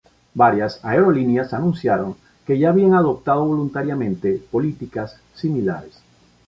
Varias aerolíneas anunciaron que ya habían adoptado voluntariamente políticas similares.